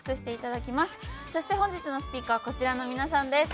そして本日のスピーカーはこちらの皆さんです。